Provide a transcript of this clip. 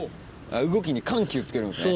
動きに緩急つけるんですね。